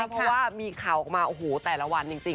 เพราะว่ามีข่าวออกมาโอ้โหแต่ละวันจริง